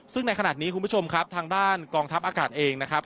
ซึ่งในขณะนี้คุณผู้ชมครับทางด้านกองทัพอากาศเองนะครับ